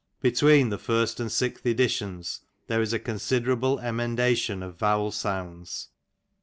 Between the first and sixth editions there is a considerable emendation of vowel sounds.